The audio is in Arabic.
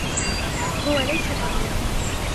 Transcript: هو ليس طبيبا.